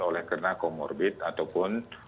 oleh karena komorbid ataupun